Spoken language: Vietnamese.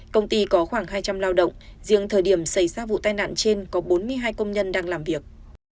công ty có khoảng hai trăm linh lao động riêng thời điểm xảy ra vụ tai nạn trên có bốn mươi hai công nhân đang làm việc